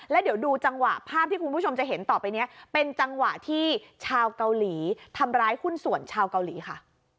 แล้วเดี๋ยวดูจังหวะภาพที่คุณผู้ชมจะเห็นต่อไปนี้เป็นจังหวะที่ชาวเกาหลีทำร้ายหุ้นส่วนชาวเกาหลีค่ะ